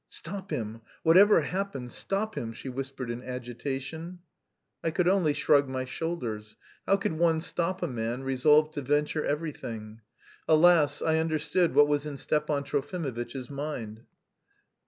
"Stop him, whatever happens, stop him," she whispered in agitation. I could only shrug my shoulders: how could one stop a man resolved to venture everything? Alas, I understood what was in Stepan Trofimovitch's mind.